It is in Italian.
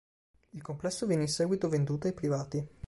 Il complesso venne in seguito venduto ai privati.